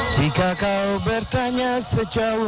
jika kau bertanya sejauh